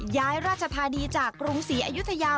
ราชธานีจากกรุงศรีอยุธยา